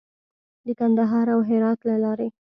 د کندهار او هرات له لارې.